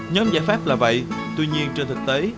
nhóm giải pháp là vậy tuy nhiên trên thực tế